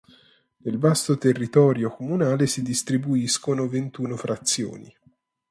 Nel vasto territorio comunale si distribuiscono ventuno frazioni.